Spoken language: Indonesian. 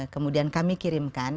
kemudian kami kirimkan